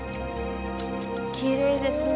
きれいですね。